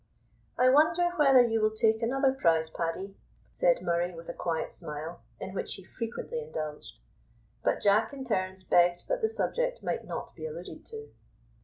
"I wonder whether you will take another prize, Paddy," said Murray with a quiet smile, in which he frequently indulged; but Jack and Terence begged that the subject might not be alluded to.